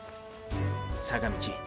坂道。